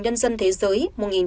nhân dân thế giới